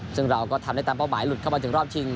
ซึ่งเราก็ทำได้ตามเป้าหมายหลุดเข้ามาถึงรอบชิง